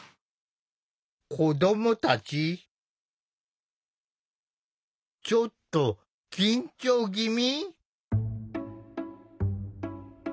子どもたちちょっと緊張ぎみ？